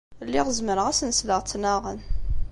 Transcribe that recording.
Lliɣ zemreɣ ad asen-sleɣ ttnaɣen.